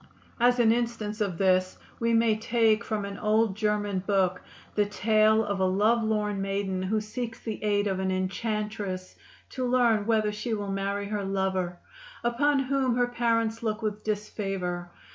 As an instance of this we may take from an old German book the tale of a lovelorn maiden who seeks the aid of an enchantress to learn whether she will marry her lover, upon whom her parents look with disfavor.